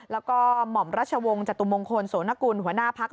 แล้วก็หม่อมราชวงศ์จตุมงคลโสนกุลหัวหน้าพัก